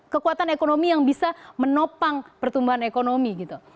kekuatan ekonomi yang bisa menopang pertumbuhan ekonomi gitu